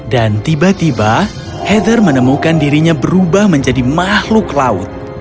dan tiba tiba heather menemukan dirinya berubah menjadi makhluk laut